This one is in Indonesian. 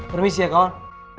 permisi ya kawan